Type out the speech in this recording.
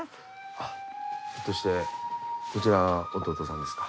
あっひょっとしてこちら弟さんですか？